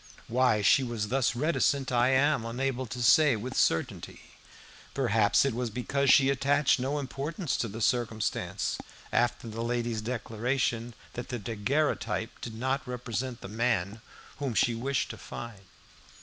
Why she was thus reticent I am unable to say with certainty. Perhaps it was because she attached no importance to the circumstance, after the lady's declaration that the daguerreotype did not represent the man whom she wished to find.